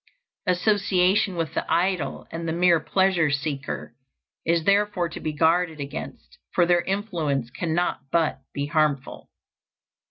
Association with the idle and the mere pleasure seeker is therefore to be guarded against, for their influence cannot but be harmful.